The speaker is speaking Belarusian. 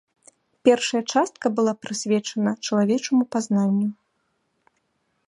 Першая частка была прысвечана чалавечаму пазнанню.